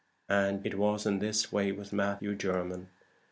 And it was in this way with Matthew Jermyn.